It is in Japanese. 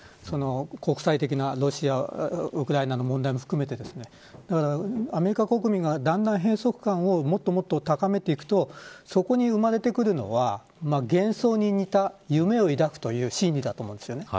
国際的なロシア、ウクライナの問題も含めてアメリカ国民がだんだん閉塞感をもっと高めていくとそこに生まれてくるのは幻想に似た夢を抱くという心理だと思います。